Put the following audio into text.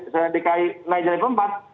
saya dikaih naik dari keempat